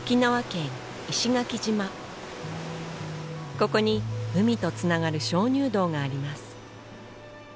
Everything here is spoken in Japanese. ここに海とつながる鍾乳洞があります